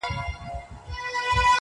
!د عدالت په انتظار!.